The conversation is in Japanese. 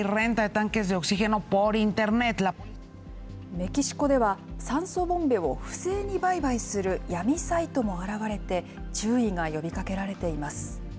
メキシコでは、酸素ボンベを不正に売買する闇サイトも現れて、注意が呼びかけられています。